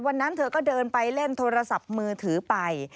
วันนั้นเธอก็เดินไปเล่นโทรศัพท์มือถือไป